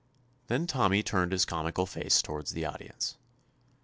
Then Tommy turned his comical face toward the audience.